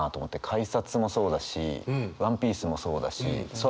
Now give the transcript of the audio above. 改札もそうだしワンピースもそうだし空もそうだし。